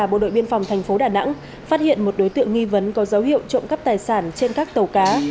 bộ đội biên phòng thành phố đà nẵng phát hiện một đối tượng nghi vấn có dấu hiệu trộm cắp tài sản trên các tàu cá